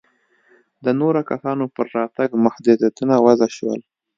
د نورو کسانو پر راتګ محدودیتونه وضع شول.